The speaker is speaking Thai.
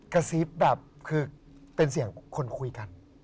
กระซิบแบบคือเป็นเสียงคนคุยกัน